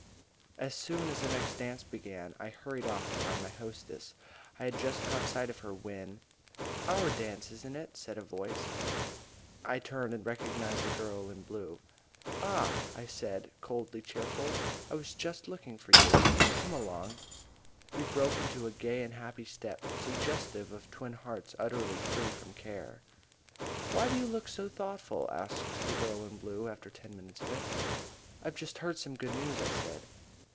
As soon as the next dance began I hurried off to find my hostess. I had just caught sight of her when "Our dance, isn't it?" said a voice. I turned and recognised a girl in blue. "Ah," I said, coldly cheerful, "I was just looking for you. Come along." We broke into a gay and happy step, suggestive of twin hearts utterly free from care. "Why do you look so thoughtful?" asked the girl in blue after ten minutes of it. "I've just heard some good news," I said.